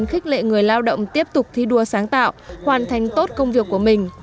khích lệ người lao động tiếp tục thi đua sáng tạo hoàn thành tốt công việc của mình